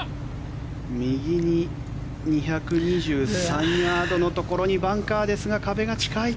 右に２２３ヤードのところにバンカーですが、壁が近い。